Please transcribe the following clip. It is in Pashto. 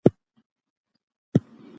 یونیفرم باید ماشوم خپله چمتو کړي.